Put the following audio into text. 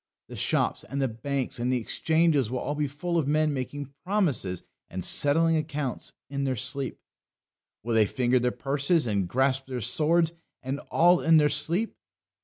The shops and the banks and the exchanges will all be full of men making promises and settling accounts in their sleep. They will finger their purses, and grasp their swords, and all in their sleep.